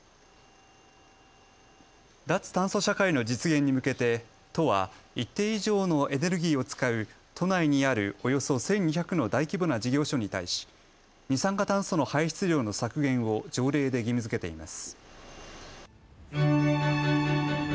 脱炭素社会の実現に向けて都は一定以上のエネルギーを使う都内にあるおよそ１２００の大規模な事業所に対し二酸化炭素の排出量の削減を条例で義務づけています。